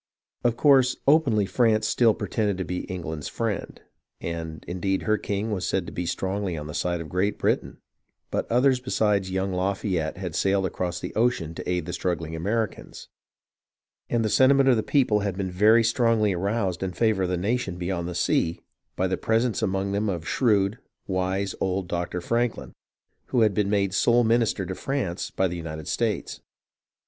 Of course openly France still pretended to be England's friend, and indeed her king was said to be strongly on the side of Great Britain, but others besides young Lafayette had sailed across the ocean to aid the struggling Americans, and the sentiment of the people had been very strongly aroused in favour of the nation beyond the sea by the presence among them of shrewd, wise old Doctor Franklin, who had been made sole minister to France by the United States.